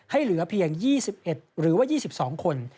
เหลือเพียง๒๑หรือว่า๒๒คน